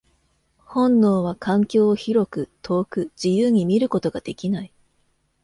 本能は環境を広く、遠く、自由に見ることができない。